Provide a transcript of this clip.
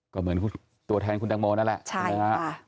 ก็เหมือนตัวแทนคุณแต่งโมนั่นแหละ